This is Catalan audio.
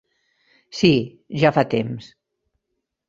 Sí, ja fa temps.